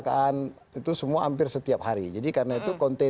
terima kasih pada pe grill wants to mei